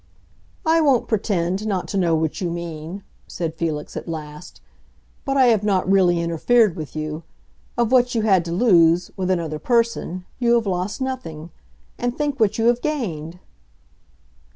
"I won't pretend not to know what you mean," said Felix at last. "But I have not really interfered with you. Of what you had to lose—with another person—you have lost nothing. And think what you have gained!"